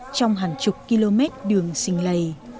trong hàng chục km đường xình lầy